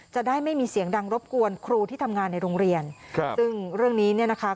จะได้ไม่มีเสียงดังรบกวนครูที่ทำงานในโรงเรียนครับซึ่งเรื่องนี้เนี่ยนะคะ